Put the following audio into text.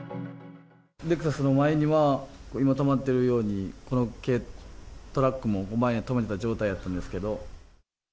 レクサスの前には、今止まってるように、この軽トラックも前に止めてた状態やったんですけど。